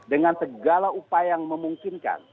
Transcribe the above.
dengan segala upaya yang memungkinkan